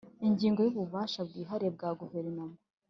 Ingingo yububasha bwihariye bwa guverinoma